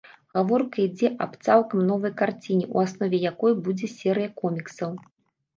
Гаворка ідзе аб цалкам новай карціне, у аснове якой будзе серыя коміксаў.